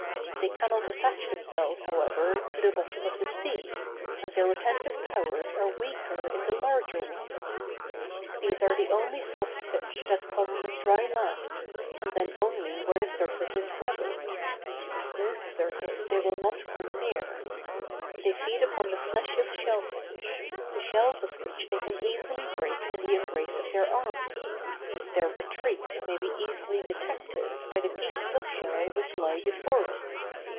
They cannot attach themselves, however, to the bottom of the sea, and their retentive powers are weaker in the larger ones. These are the only soft fish that come on dry land, and then only where the surface is rugged: a smooth surface they will not come near. They feed upon the flesh of shellfish, the shells of which they can easily break in the embrace of their arms: their retreat may be easily detected by the pieces of shell which lie before it.